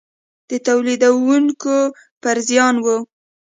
د تولیدوونکو پر زیان و.